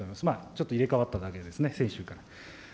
ちょっと、入れ代わっただけですね、先週から。